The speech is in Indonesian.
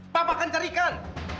papa akan carikan